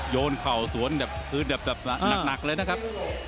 โยนเข่าสวนแบบพื้นแบบหนักเลยนะครับ